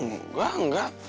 oh engga engga